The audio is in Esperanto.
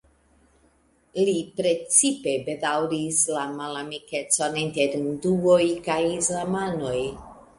Li precipe bedaŭris la malamikecon inter hinduoj kaj islamanoj.